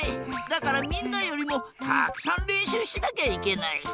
だからみんなよりもたくさんれんしゅうしなきゃいけない。